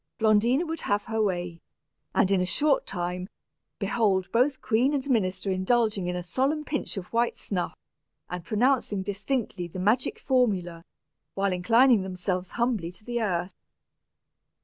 Blondina would have her way; and, in a short time, behold both queen and minister indulging in a solemn pinch of white snuff, and pronouncing distinctly the magic formula, while inclining themselves humbly to the earth!